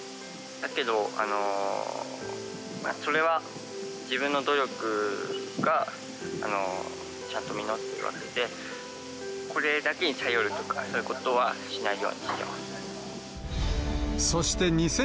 だけど、それは自分の努力がちゃんと実っているわけで、これだけに頼るとか、そういうことはしないようにしてます。